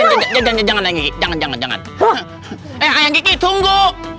jangan jangan jangan jangan eh tunggu ada ranting ada kayu i'm nothing without you